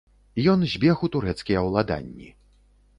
Ён збег у турэцкія ўладанні.